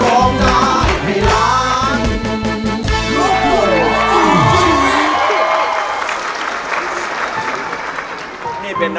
ร้องได้ให้ล้าน